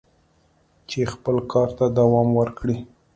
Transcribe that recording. چې خپل کار ته دوام ورکړي."